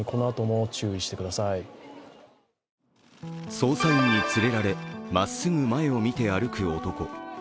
捜査員に連れられ、まっすぐ前を見て歩く男。